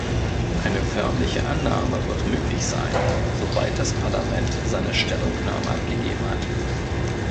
Eine förmliche Annahme wird möglich sein, sobald das Parlament seine Stellungnahme abgegeben hat.